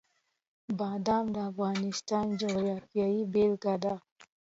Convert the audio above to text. بادام د افغانستان د جغرافیې بېلګه ده.